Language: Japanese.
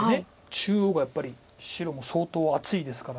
中央がやっぱり白も相当厚いですから。